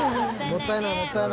もったいない。